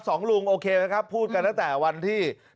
สองลุงโอเคไหมครับพูดกันตั้งแต่วันที่